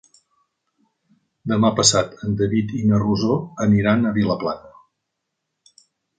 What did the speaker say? Demà passat en David i na Rosó aniran a Vilaplana.